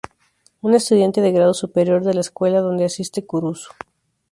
Una estudiante de grado superior de la escuela donde asiste Kurusu.